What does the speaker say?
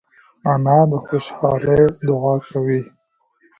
انا د خوشحالۍ دعا کوي